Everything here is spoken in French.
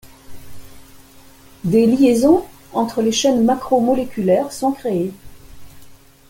Des liaisons entre les chaînes macromoléculaires sont créées.